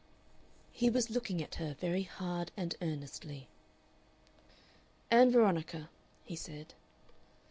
He was looking at her very hard and earnestly. "Ann Veronica," he said.